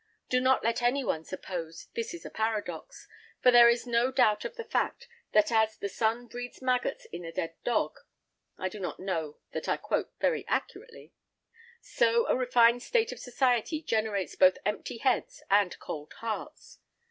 Do not let any one suppose this a paradox; for there is no doubt of the fact, that as "the sun breeds maggots in a dead dog," (I do not know that I quote very accurately), so a refined state of society generates both empty heads and cold hearts.